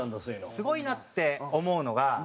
すごいなって思うのが。